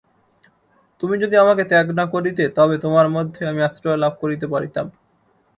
তুমি যদি আমাকে ত্যাগ না করিতে তবে তোমার মধ্যে আমি আশ্রয় লাভ করিতে পারিতাম।